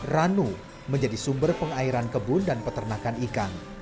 ranu menjadi sumber pengairan kebun dan peternakan ikan